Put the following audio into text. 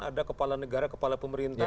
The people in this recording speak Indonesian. ada kepala negara kepala pemerintah